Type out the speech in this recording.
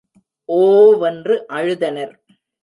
ஓ! வென்று அழுதனர்.